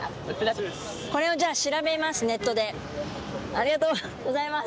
ありがとうございます！